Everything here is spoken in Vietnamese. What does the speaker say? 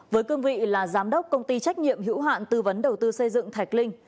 với cương vị là giám đốc công ty trách nhiệm hữu hạn tư vấn đầu tư xây dựng thạch linh